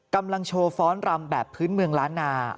กำลังโชว์ฟ้อนรำแบบพื้นเมืองล้านนา